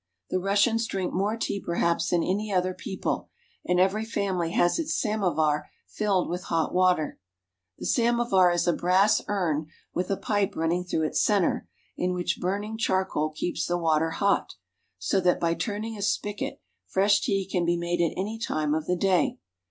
The Russians drink more tea perhaps than any other people, and every family has its samovar filled with hot water. The samovar is a brass urn with a pipe running through its center, in which burning charcoal keeps the water hot, so The Russians drink more tea perhaps than any other people." 320 RUSSIA. that, by turning a spigot, fresh tea can be made at any time of the day.